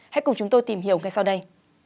hãy cùng chúng tôi tìm hiểu ngay sau đây